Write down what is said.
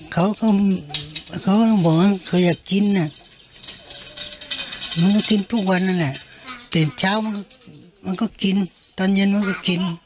เขาก็ต้องบอกว่าเขาอยากกินน่ะมันก็กินทุกวันนั่นแหละตื่นเช้ามันก็กินตอนเย็นมันก็กิน